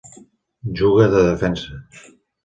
Juga de Defensa.